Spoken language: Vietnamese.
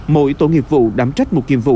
mỗi tổ nghiệp vụ đám trách một nhiệm vụ